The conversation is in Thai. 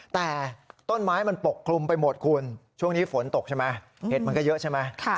แต่ต้นไม้มันปกคลุมไปหมดคุณช่วงนี้ฝนตกใช่ไหมเห็ดมันก็เยอะใช่ไหม